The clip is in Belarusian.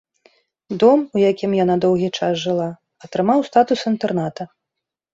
Дом, у якім яна доўгі час жыла, атрымаў статус інтэрната.